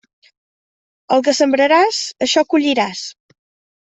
El que sembraràs, això colliràs.